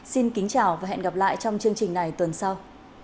xin kính chào và hẹn gặp lại trong chương trình này tuần sau